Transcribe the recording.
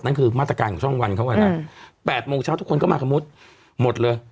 นั่นคือมาตรการของช่องวันเขาอ่ะนะ๘โมงเช้าทุกคนก็มากับมุดหมดเลย